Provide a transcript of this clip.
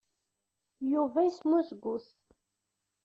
Yuba yesmuzgut.